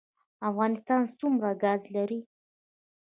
افغانستان څومره ګاز لري؟